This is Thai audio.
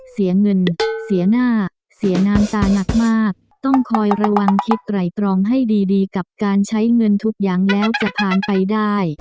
เสียเงินเสียหน้าเสียน้ำตาหนักมากต้องคอยระวังคิดไตรตรองให้ดีกับการใช้เงินทุกอย่างแล้วจะผ่านไปได้